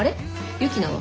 ユキナは？